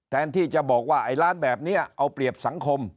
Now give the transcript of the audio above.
แทนที่จะบอกว่าไอ้ร้านแบบนี้เอาเปรียบสังคม